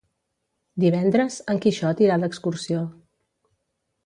Divendres en Quixot irà d'excursió.